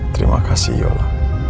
terima kasih yola